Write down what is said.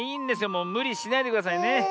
もうむりしないでくださいね。